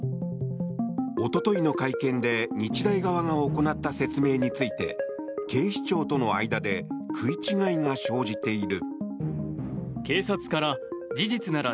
一昨日の会見で日大側が行った説明について警視庁との間で食い違いが生じている。